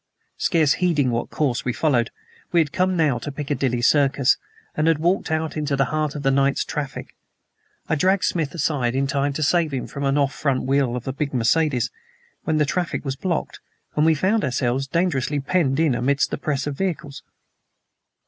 Scarce heeding what course we followed, we had come now to Piccadilly Circus, and had walked out into the heart of the night's traffic. I just dragged Smith aside in time to save him from the off front wheel of a big Mercedes. Then the traffic was blocked, and we found ourselves dangerously penned in amidst the press of vehicles.